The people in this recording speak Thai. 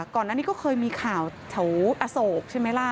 ก่อนหน้านี้ก็เคยมีข่าวแถวอโศกใช่ไหมล่ะ